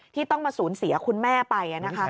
ที่ต้องมาสูญเสียคุณแม่ไปนะคะ